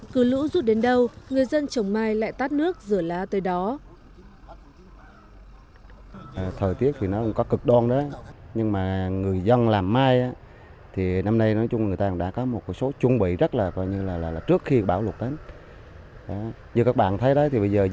cứ lũ rút đến đâu người dân trồng mai lại tát nước rửa lá tới đó